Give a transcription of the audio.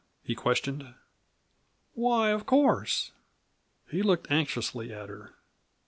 he questioned. "Why of course." He looked anxiously at her.